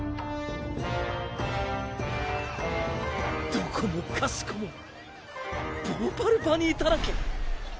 どこもかしこもヴォーパルバニーだらけ。